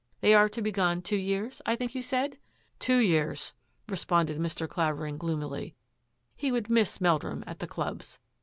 They are to be gone two years, I think you said? "" Two yearsj" responded Mr. Clavering gloom ily. He would miss Meldrum at the clubs.